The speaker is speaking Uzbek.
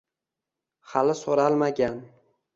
Hali so’ralmagan